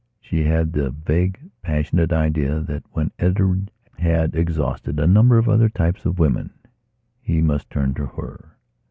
She had the vague, passionate idea that, when Edward had exhausted a number of other types of women he must turn to her.